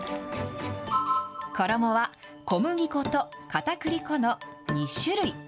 衣は、小麦粉とかたくり粉の２種類。